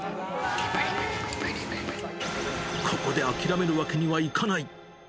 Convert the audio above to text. ここで諦めるにはいかない。